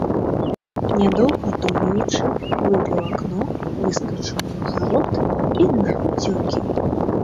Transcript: Нядоўга думаючы, выбіў акно, выскачыў у агарод і наўцёкі.